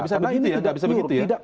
tidak bisa begitu ya